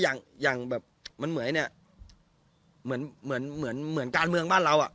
อย่างอย่างแบบมันเหมือนเนี่ยเหมือนเหมือนเหมือนเหมือนการเมืองบ้านเราอ่ะ